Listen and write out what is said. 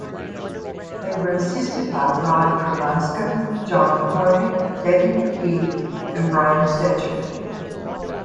They were assisted by Rod Cremasco, John McCormick, David McKee and Brian Stecher.